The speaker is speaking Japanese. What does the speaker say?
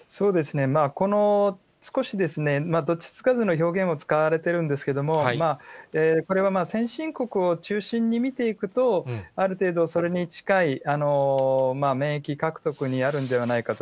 少し、どっちつかずの表現を使われているんですけれども、これはまあ、先進国を中心に見ていくと、ある程度それに近い免疫獲得にあるんではないかと。